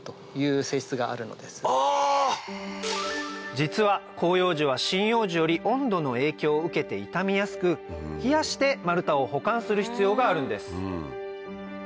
実は広葉樹は針葉樹より温度の影響を受けて傷みやすく冷やして丸太を保管する必要があるんです